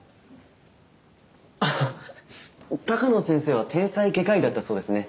ハハッ鷹野先生は天才外科医だったそうですね。